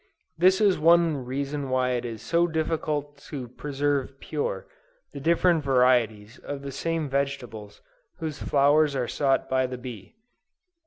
This is one reason why it is so difficult to preserve pure, the different varieties of the same vegetables whose flowers are sought by the bee.